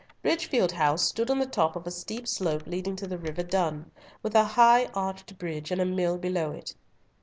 Bridgefield House stood on the top of a steep slope leading to the river Dun, with a high arched bridge and a mill below it.